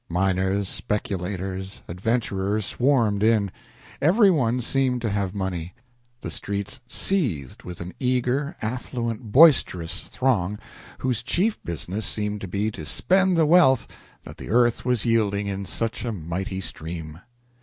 Miners, speculators, adventurers swarmed in. Every one seemed to have money. The streets seethed with an eager, affluent, boisterous throng whose chief business seemed to be to spend the wealth that the earth was yielding in such a mighty stream.